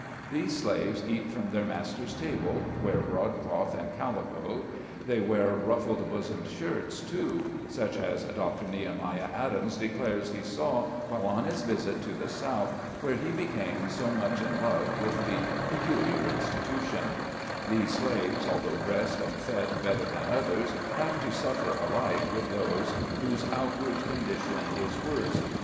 These slaves eat from their master's table, wear broadcloth and cal ico; they wear ruffled bosomed shirts, too — such as Doctor Nehemiah Adams declares he saw while on his visit to the South, where he became so much in love with the " peculiar institution " These slaves, although dressed and fed better than others, have to suffer alike with those whose outward con dition is worse.